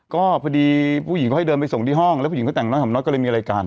ก็พอดีผู้หญิงก็ให้เดินไปส่งที่ห้องแล้วผู้หญิงก็แต่งน้อยห่อมน้อยก็เลยมีอะไรกัน